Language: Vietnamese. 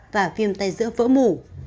và viêm tay giữa vỡ mủ